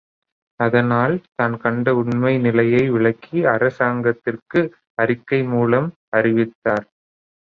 அதனால், தான்கண்ட உண்மை நிலைகளை விளக்கி அரசாங்கத்துக்கு அறிக்கை மூலம் அறிவித்தார்.